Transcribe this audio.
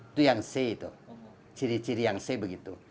itu yang si itu ciri ciri yang si begitu